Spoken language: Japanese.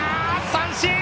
三振！